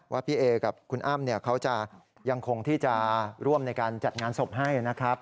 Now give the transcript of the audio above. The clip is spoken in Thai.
ว่าพี่เอกับคุณอ้ำเขายังคงที่จะร่วมในการจัดงานศพให้